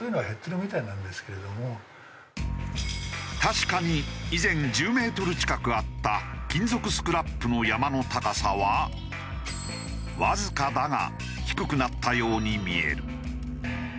確かに以前１０メートル近くあった金属スクラップの山の高さはわずかだが低くなったように見える。